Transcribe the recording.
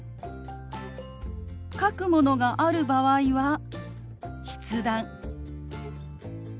書くものがある場合は筆談。